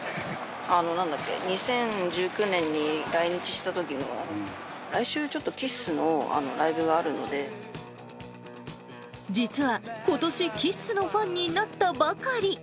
なんだっけ、２０１９年に来日したときの、来週、ちょっとＫＩＳ実は、ことしＫＩＳＳのファンになったばかり。